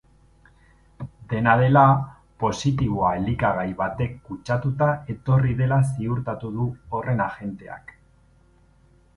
Dena dela, positiboa elikagai batek kutsatuta etorri dela ziurtatu du horren agenteak.